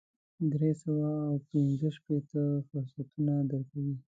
درې سوه او پنځه شپېته فرصتونه درکوي.